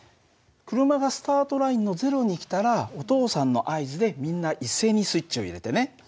車がスタートラインの０に来たらお父さんの合図でみんな一斉にスイッチを入れてね。